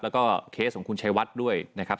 แล้วก็เคสของคุณชัยวัดด้วยนะครับ